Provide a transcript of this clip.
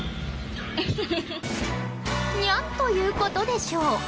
ニャンということでしょう！